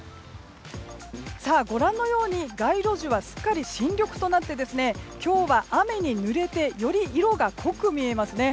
さあ、ご覧のように街路樹はしっかり新緑となって今日は雨にぬれてより色が濃く見えますね。